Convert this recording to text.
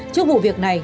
trước vụ việc này